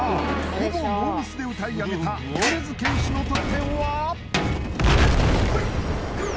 ほぼノーミスで歌い上げた米津玄師の得点は？